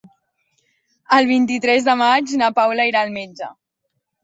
El vint-i-tres de maig na Paula irà al metge.